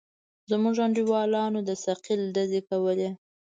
زموږ انډيوالانو د ثقيل ډزې کولې.